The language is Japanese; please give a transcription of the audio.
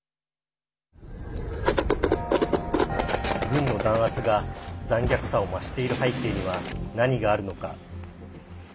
軍の弾圧が残虐さを増している背景には何があるのか。